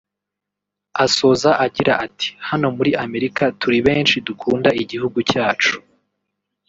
Asoza agira ati “Hano muri Amerika turi benshi dukunda igihugu cyacu